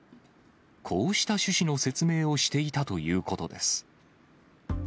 こうした趣旨の説明をしていたということです。